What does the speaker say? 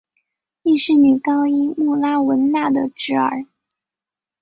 亦是女高音穆拉汶娜的侄儿。